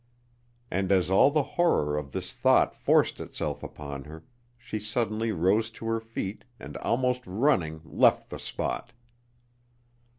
And as all the horror of this thought forced itself upon her, she suddenly rose to her feet, and almost running, left the spot.